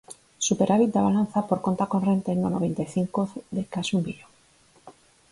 Superávit da balanza por conta corrente no noventa e cinco de case un billón